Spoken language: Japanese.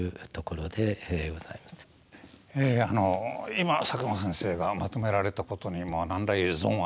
今佐久間先生がまとめられたことにまあ何ら異存はない。